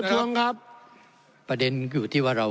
ท่านประธานที่ขอรับครับ